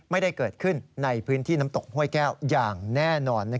ไม่ได้เกิดขึ้นในพื้นที่น้ำตกห้วยแก้วอย่างแน่นอน